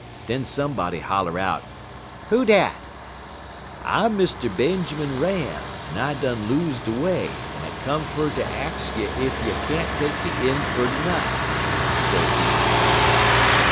Den somebody holler out: "'Who dat?' "'I'm Mr. Benjermun Ram, en I done lose de way, en I come fer ter ax you ef you can't take me in fer de night,' sezee.